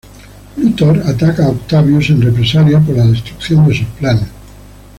Luthor ataca a Octavius en represalia por la destrucción de sus planes.